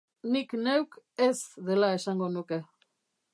Nik neuk "ez" dela esango nuke.